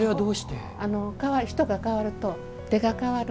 人が代わると出が変わる。